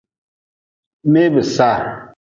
Mee bi saha.